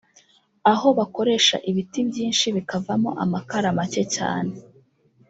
aho bakoresha ibiti byinshi bikavamo amakara make cyane